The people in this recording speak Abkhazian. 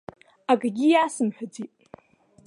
Акгьы иасымҳәаӡеит.